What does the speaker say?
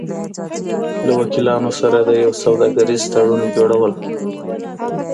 -له وکیلانو سره د یو سوداګریز تړون جوړو ل